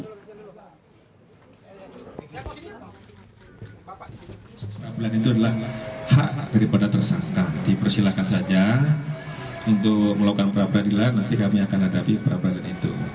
untuk melakukan perapradilan nanti kami akan hadapi perapradilan itu